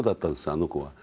あの子は。